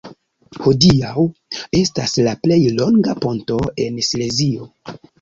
Hodiaŭ estas la plej longa ponto en Silezio.